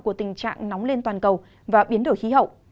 của tình trạng nóng lên toàn cầu và biến đổi khí hậu